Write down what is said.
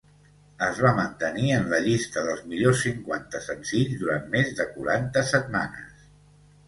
Es va mantenir en la llista dels millors cinquanta senzills durant més de quaranta setmanes.